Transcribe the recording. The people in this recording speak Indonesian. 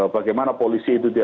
bagaimana polisi itu